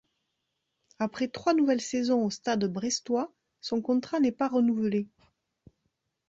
Après trois nouvelles saisons au Stade brestois, son contrat n'est pas renouvelé.